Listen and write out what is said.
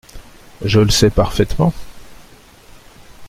Je le sais parfaitement.